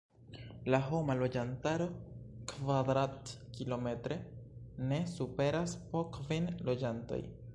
La homa loĝantaro kvadrat-kilometre ne superas po kvin loĝantoj.